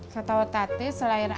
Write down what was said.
saya tahu tadi selain